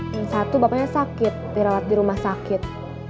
yang satu bapaknya sakit dirawat di rumah sakit